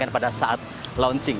pada saat launching